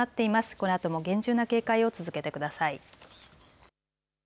このあとも厳重な警戒を続けてください。